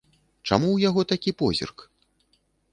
Чаму ў яго такі позірк?